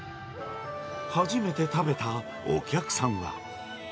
初めて食べたお客さんは。